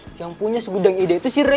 selama ini yang punya segudang ide itu si rey